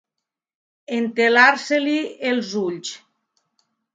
Entelar-se-li els ulls.